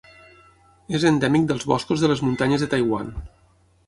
És endèmic dels boscos de les muntanyes de Taiwan.